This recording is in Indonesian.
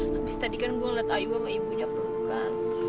habis tadi saya lihat ayu sama ibunya perlukan